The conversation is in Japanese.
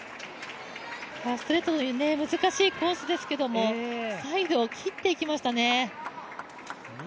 ストレートの難しいコースですけどサイドを切っていきましたね。